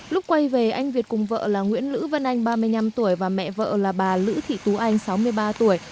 lúc quay về anh việt cùng vợ là nguyễn lữ văn anh ba mươi năm tuổi và mẹ vợ là bà lữ thị tú anh sáu mươi ba tuổi